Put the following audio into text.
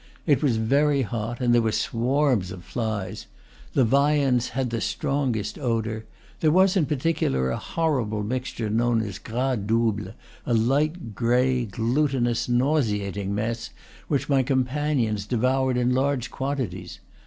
It was very hot, and there were swarms of flies; the viands had the strongest odor; there was in particular a horrible mix ture known as gras double, a light gray, glutinous, nauseating mess, which my companions devoured in large quantities.